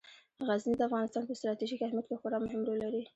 غزني د افغانستان په ستراتیژیک اهمیت کې خورا مهم رول لري.